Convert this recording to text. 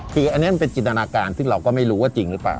คืออันนี้มันเป็นจินตนาการซึ่งเราก็ไม่รู้ว่าจริงหรือเปล่า